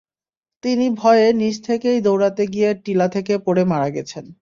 তিনি ভয়ে নিজ থেকেই দৌড়াতে গিয়ে টিলা থেকে পড়ে মারা গেছেন।